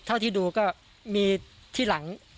เท่าที่ดูก็มีที่หลัง